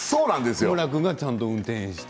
日村君が、ちゃんと運転して。